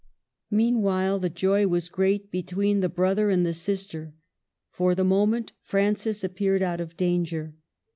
Meanwhile the joy was great between the brother and the sister. For the moment Francis appeared out of danger.